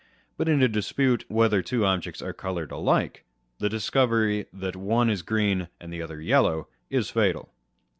But in a dispute whether two objects are coloured alike, the discovery, that one is green and the other yellow, is fatal.